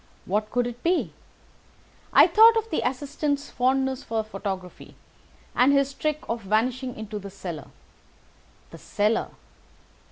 What could it be? I thought of the assistant's fondness for photography, and his trick of vanishing into the cellar. The cellar!